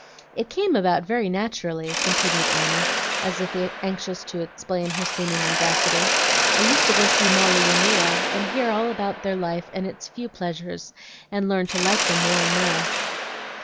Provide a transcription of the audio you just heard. "It came about very naturally," continued Anna, as if anxious to explain her seeming audacity. "I used to go to see Molly and Ria, and heard all about their life and its few pleasures, and learned to like them more and more.